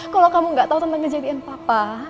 kalo kamu gak tau tentang kejadian papa